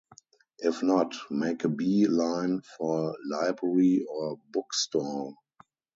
If not, make a bee line for library or bookstall!